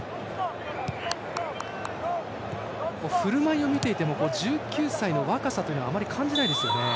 振る舞いを見ていても１９歳の若さをあまり感じないですよね。